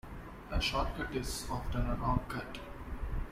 A short cut is often a wrong cut.